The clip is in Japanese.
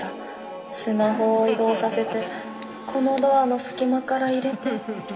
スマホを移動させてこのドアの隙間から入れて